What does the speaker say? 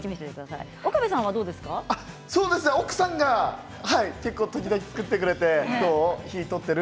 奥さんが結構時々、作ってくれてどう、火通ってる？